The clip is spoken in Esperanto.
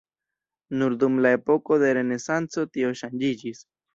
Nur dum la epoko de renesanco tio ŝanĝiĝis.